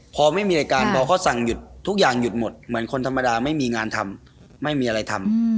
พอไม่มีรายการพอเขาสั่งหยุดทุกอย่างหยุดหมดเหมือนคนธรรมดาไม่มีงานทำไม่มีอะไรทำ